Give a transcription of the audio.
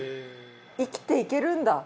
生きていけるんだ。